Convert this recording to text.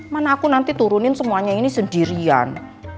mana aku nanti turunin semuanya ini sendirian